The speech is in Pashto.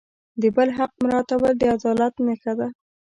د بل حق مراعتول د عدالت نښه ده.